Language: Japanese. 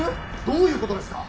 どういうことですか？